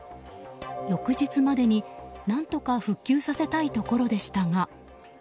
翌日までに何とか復旧させたいところでしたが。